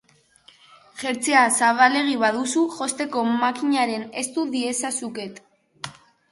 Jertsea zabalegi baduzu, josteko makinaren estu diezazuket.